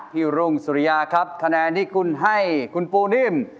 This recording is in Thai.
รุ่งสุริยาครับคะแนนที่คุณให้คุณปูนิ่ม